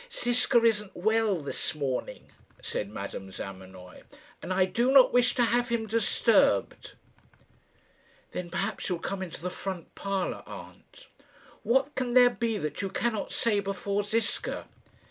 "Ziska isn't well this morning," said Madame Zamenoy, "and I do not wish to have him disturbed." "Then perhaps you'll come into the front parlour, aunt." "What can there be that you cannot say before Ziska?"